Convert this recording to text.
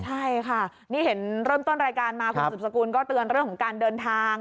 ใช่ค่ะนี่เห็นเริ่มต้นรายการมาคุณสืบสกุลก็เตือนเรื่องของการเดินทาง